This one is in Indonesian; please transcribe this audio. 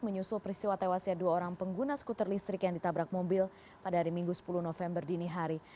menyusul peristiwa tewasnya dua orang pengguna skuter listrik yang ditabrak mobil pada hari minggu sepuluh november dini hari